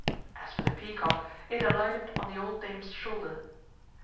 As for the peacock, it alighted on the old dame's shoulder.